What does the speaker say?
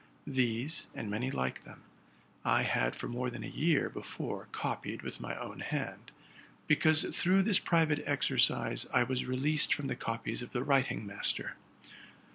These, and many like them, J had for more than a year before copied with my own hand; because through this private exercise I was released from the copies of the writing master.